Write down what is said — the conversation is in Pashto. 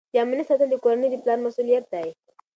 د امنیت ساتل د کورنۍ د پلار مسؤلیت دی.